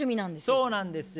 そうなんですよ。